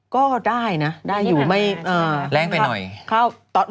ก็ได้นะได้อยู่ไม่แรงไปหน่อย